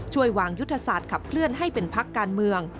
ช่วยวางยุทธศาสตร์ขับเคลื่อนให้เป็นพักการเมือง